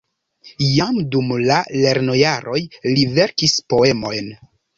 Jam dum la lernojaroj li verkis poemojn.